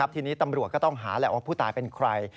ทีนี้ตำรวจก็ต้องหาแหละว่าผู้ตายเป็นใคร